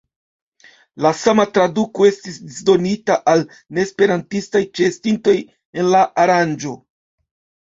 La sama traduko estis disdonita al neesperantistaj ĉeestintoj en la aranĝo.